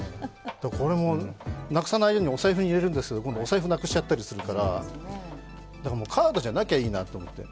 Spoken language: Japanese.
これもなくさないようにお財布に入れるんですけれども、今度はお財布をなくしちゃったりするから、カードじゃなきゃいいなと思って。